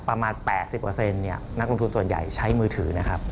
ประมาณ๘๐นักลงทุนส่วนใหญ่ใช้มือถือนะครับ